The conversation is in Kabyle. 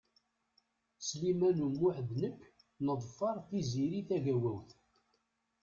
Sliman U Muḥ d nekk neḍfeṛ Tiziri Tagawawt.